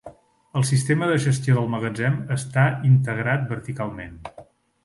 El sistema de gestió del magatzem està integrat verticalment.